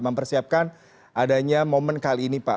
mempersiapkan adanya momen kali ini pak